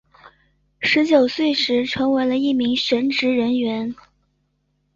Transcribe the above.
十九岁时成为了一名神职人员。